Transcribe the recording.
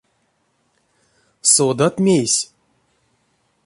Содат мейсь?